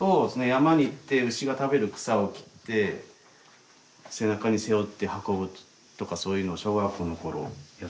山に行って牛が食べる草を切って背中に背負って運ぶとかそういうのを小学校の頃やってましたね。